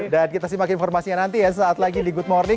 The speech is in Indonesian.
dan kita simak informasinya nanti ya saat lagi di good morning